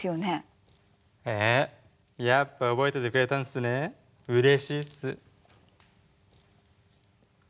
やっぱ覚えててくれたんすねうれしいっす。